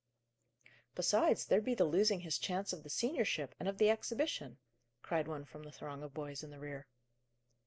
"Besides, there'd be the losing his chance of the seniorship, and of the exhibition," cried one from the throng of boys in the rear.